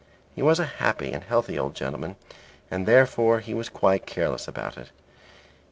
He was a happy and healthy old gentleman and therefore he was quite careless about it.